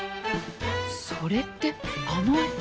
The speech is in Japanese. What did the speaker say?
それってあの絵！